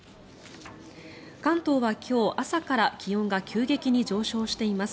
関東は今日、朝から気温が急激に上昇しています。